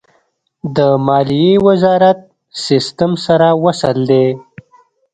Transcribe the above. د مالیې وزارت سیستم سره وصل دی؟